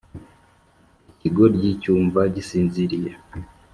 ikigoryi cyumva gisinziriye